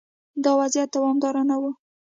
دا وضعیت دوامدار نه و.